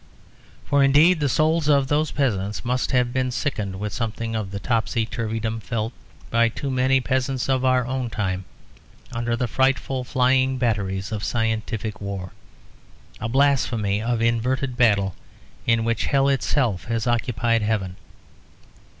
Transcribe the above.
For indeed the souls of those peasants must have been sickened with something of the topsy turvydom felt by too many peasants of our own time under the frightful flying batteries of scientific war; a blasphemy of inverted battle in which hell itself has occupied heaven.